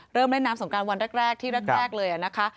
เริ่มเล่นน้ำสงการวันแรกที่แรกเลยนะคะ